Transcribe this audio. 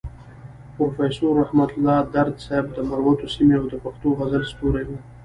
پروفيسور رحمت الله درد صيب د مروتو سيمې او د پښتو غزل ستوری وو.